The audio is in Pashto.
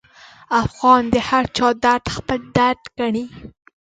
افغان د هرچا درد خپل درد ګڼي.